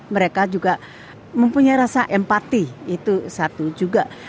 mereka juga mempunyai rasa empati itu satu juga